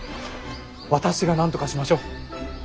私がなんとかしましょう。